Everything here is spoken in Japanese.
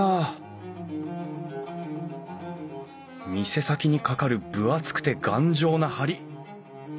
店先にかかる分厚くて頑丈な梁。